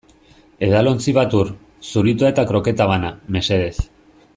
Edalontzi bat ur, zuritoa eta kroketa bana, mesedez.